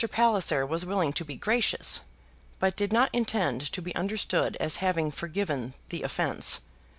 Palliser was willing to be gracious, but did not intend to be understood as having forgiven the offence.